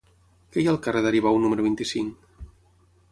Què hi ha al carrer d'Aribau número vint-i-cinc?